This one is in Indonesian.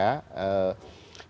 kan yang banyak